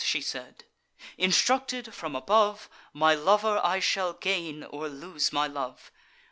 she said. "Instructed from above, My lover I shall gain, or lose my love.